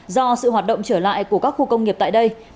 do sự hoạt động trở lại của các khu công nghiệp tại đây